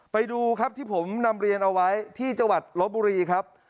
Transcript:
ไปดูครับที่ผมนำเรียนเอาไว้ที่จังหวัดลบบุรีครับ